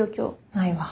ないわ。